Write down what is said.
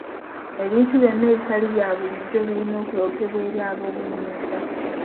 Ebintu byonna ebitali bya bulijjo birina okuloopebwa eri ab'obuyinza.